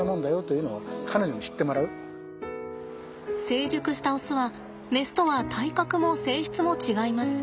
成熟したオスはメスとは体格も性質も違います。